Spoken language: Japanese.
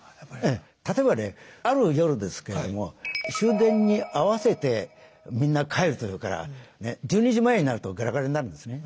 例えばねある夜ですけれども終電に合わせてみんな帰るというから１２時前になるとガラガラになるんですね。